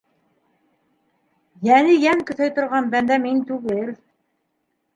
Йәне йән көҫәй торған бәндә мин түгел.